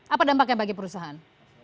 apa dampaknya bagi perusahaan